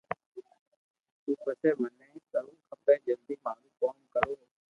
تو پسو مني ڪرووہ کپي جلدو مارو ڪوم ڪرو